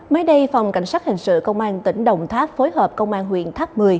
mới đây phòng cảnh sát hình sự công an tỉnh đồng tháp phối hợp công an huyện tháp một mươi